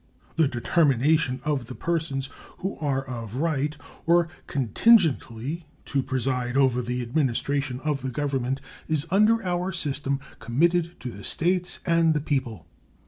The determination of the persons who are of right, or contingently, to preside over the administration of the Government is under our system committed to the States and the people.